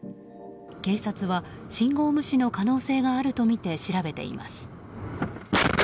警察は信号無視の可能性があるとみて調べています。